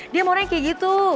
dia mau renggi gitu